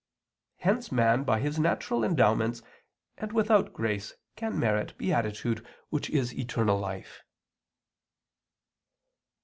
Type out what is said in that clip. Hence man by his natural endowments and without grace can merit beatitude which is eternal life.